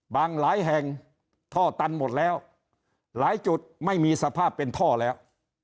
หลายแห่งท่อตันหมดแล้วหลายจุดไม่มีสภาพเป็นท่อแล้ว